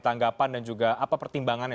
tanggapan dan juga apa pertimbangannya